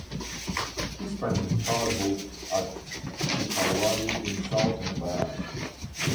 He spent his childhood at Chikhalwadi in south Mumbai.